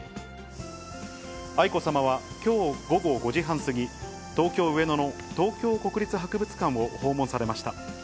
愛子さまはきょう午後５時半過ぎ、東京・上野の東京国立博物館を訪問されました。